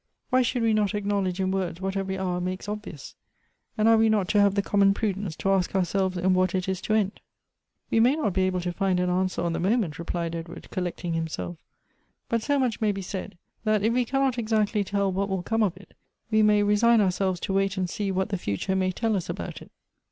Why should we not acknowledge in words what every hour makes obvious ? and are we not to have the common prudence to ask ouiselves in what it is to end ?" 6* 130 Goethe's " We may not be able to find an answer on the mo ment," replied Edward, collecting himself; " but so much may be said, that if we cannot exactly tell what will come of it, we may resign ourselves to wait and see what the future may tell us about it.".